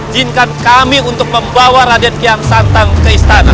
jinkan kami untuk membawa raden kian santang ke istana